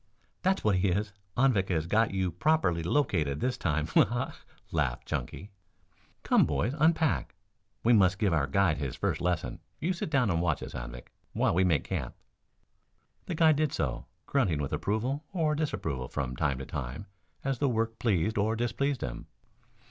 "That's what he is. Anvik has got you properly located this time. Ha, ha!" laughed Chunky. "Come, boys, unpack. We must give our guide his first lesson. You sit down and watch us, Anvik, while we make camp." The guide did so, grunting with approval or disapproval from time to time as the work pleased or displeased him.